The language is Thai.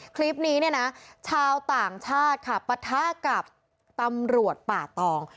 คลิปนี้เนี่ยนะชาวต่างชาติค่ะปะทะกับตำรวจป่าตอง